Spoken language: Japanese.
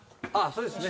そうですね。